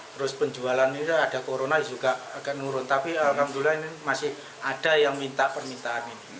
terus penjualan itu ada corona juga agak nurun tapi alhamdulillah ini masih ada yang minta permintaan ini